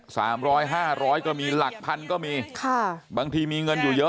สามร้อยห้าร้อยก็มีหลักพันก็มีค่ะบางทีมีเงินอยู่เยอะ